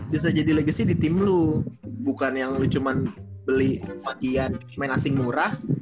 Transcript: bisa jadi legacy di tim lo bukan yang lu cuma beli bagian main asing murah